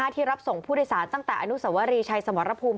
ที่รับส่งผู้โดยสารตั้งแต่อนุสวรีชัยสมรภูมิ